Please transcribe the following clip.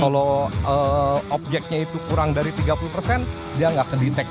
kalau objeknya itu kurang dari tiga puluh dia gak ke detect